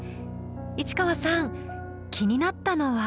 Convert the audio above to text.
市川さん気になったのは？